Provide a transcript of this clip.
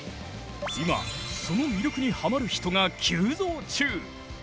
今その魅力にハマる人が急増中！